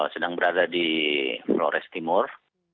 sedang berada di flores timur